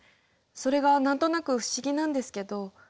それが何となく不思議なんですけど。